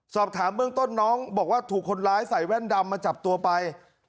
สอบถามเบื้องต้นน้องบอกว่าถูกคนร้ายใส่แว่นดำมาจับตัวไป